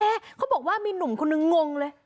เขาบอกว่ามีหนุ่มคนนึงงงเลย